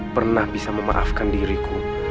pernah bisa memaafkan diriku